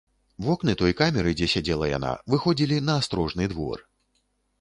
Вокны той камеры, дзе сядзела яна, выходзілі на астрожны двор.